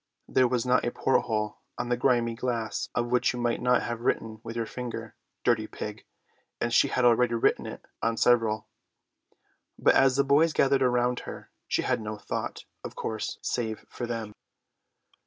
There was not a porthole on the grimy glass of which you might not have written with your finger "Dirty pig"; and she had already written it on several. But as the boys gathered round her she had no thought, of course, save for them.